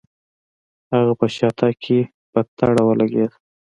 هغه په شاتګ کې په تړه ولګېد.